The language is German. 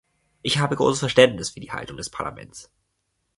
Ich habe großes Verständnis für die Haltung des Parlaments.